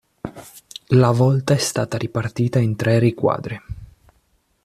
La volta è stata ripartita in tre riquadri.